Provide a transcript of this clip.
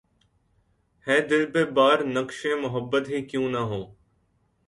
ہے دل پہ بار‘ نقشِ محبت ہی کیوں نہ ہو